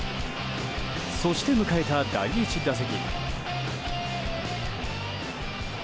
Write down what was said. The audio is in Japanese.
そして迎えた第１打席。